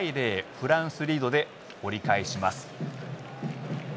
フランスリードで折り返します。